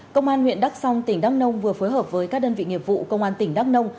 công an huyện đắk song tỉnh đắk nông vừa phối hợp với các đơn vị nghiệp vụ công an tỉnh đắk nông